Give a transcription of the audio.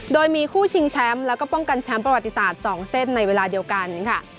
โดยมีคู่ชิงแชมป์แล้วก็ป้องกันแชมป์ประวัติศาสตร์๒เส้นในเวลาเดียวกันค่ะ